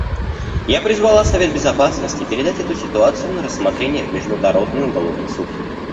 Я призвала Совет Безопасности передать эту ситуацию на рассмотрение в Международный уголовный суд.